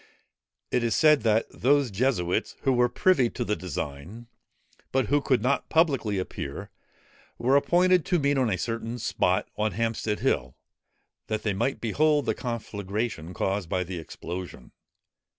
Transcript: It is said that those Jesuits who were privy to the design, but who could not publicly appear, were appointed to meet on a certain spot, on Hampstead Hill, that they might behold the conflagration caused by the explosion.